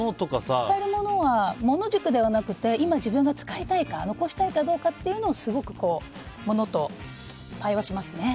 使えるものは物軸ではなくて今、自分が使いたいか残したいかどうかというのをすごく物と対話しますね。